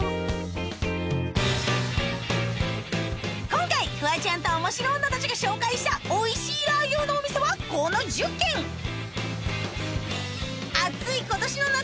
今回フワちゃんとおもしろ女たちが紹介したおいしいラー餃のお店はこの１０軒暑い今年の夏